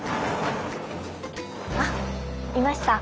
あいました。